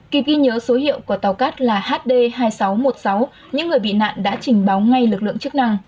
kịp ghi nhớ số hiệu của tàu cát là hd hai nghìn sáu trăm một mươi sáu những người bị nạn đã trình báo ngay lực lượng chức năng